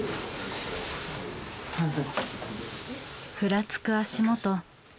ふらつく足元